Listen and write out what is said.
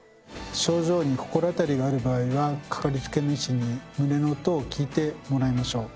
症状に心当たりがある場合はかかりつけの医師に胸の音を聴いてもらいましょう。